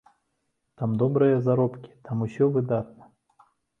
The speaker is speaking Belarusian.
Там добрыя заробкі, там усё выдатна!